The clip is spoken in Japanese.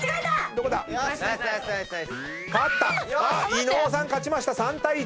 伊野尾さん勝ちました３対１！